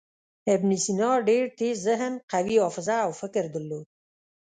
ابن سینا ډېر تېز ذهن، قوي حافظه او فکر درلود.